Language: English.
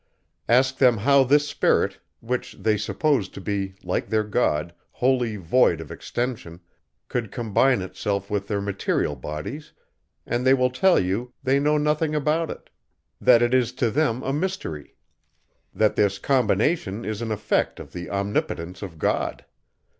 Ask them how this spirit, which they suppose to be like their God wholly void of extension, could combine itself with their material bodies, and they will tell you, they know nothing about it; that it is to them a mystery; that this combination is an effect of the omnipotence of God.